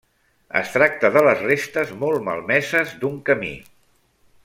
Es tracta de les restes, molt malmeses, d'un camí.